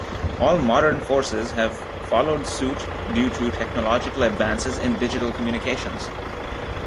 All modern forces have followed suit due to technological advances in digital communications.